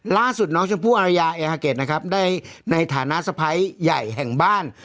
ล่าสุดน้องชมพู่อารยาเอฮาเก็ตนะครับได้ในฐานะสะพ้ายใหญ่แห่งบ้าน